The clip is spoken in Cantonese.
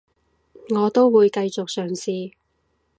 我都會繼續嘗試